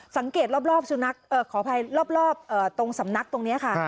สังเกตรอบสุนัขขออภัยรอบตรงสำนักตรงนี้ค่ะ